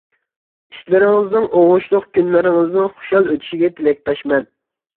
ئىشلىرىڭىزنىڭ ئوڭۇشلۇق، كۈنلىرىڭىزنىڭ خۇشال ئۆتىشىگە تىلەكداشمەن!